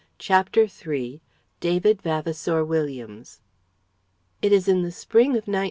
CHAPTER III DAVID VAVASOUR WILLIAMS It is in the spring of 1901.